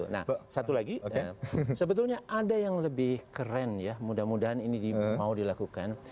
nah satu lagi sebetulnya ada yang lebih keren ya mudah mudahan ini mau dilakukan